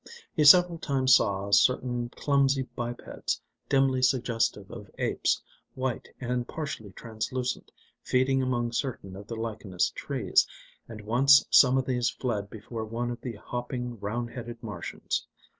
He several times saw certain clumsy bipeds, dimly suggestive of apes, white and partially translucent, feeding among certain of the lichenous trees, and once some of these fled before one of the hopping, round headed Martians.